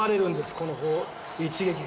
この一撃が。